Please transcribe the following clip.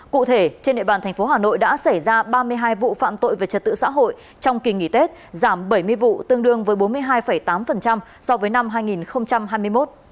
cụ thể trên địa bàn thành phố hà nội đã xảy ra ba mươi hai vụ phạm tội về trật tự xã hội trong kỳ nghỉ tết giảm bảy mươi vụ tương đương với bốn mươi hai tám so với năm hai nghìn hai mươi một